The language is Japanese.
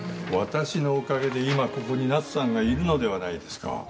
私のおかげで今ここに奈津さんがいるのではないですか。